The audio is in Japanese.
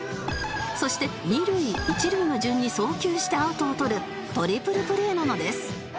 そして二塁一塁の順に送球してアウトをとるトリプルプレーなのです